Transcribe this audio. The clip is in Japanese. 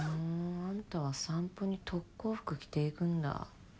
あんたは散歩に特攻服来ていくんだ。